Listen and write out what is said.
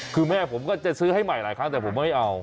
คือแม่ผมก็จะซื้อให้ใหม่หลายครั้งแต่ผมไม่เอา